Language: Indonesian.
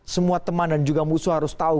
semua teman dan juga musuh harus tahu